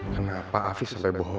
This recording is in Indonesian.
kenapa afif sampai bohong